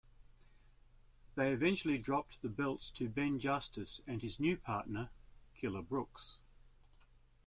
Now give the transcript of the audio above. They eventually dropped the belts to Ben Justice and his new partner, Killer Brooks.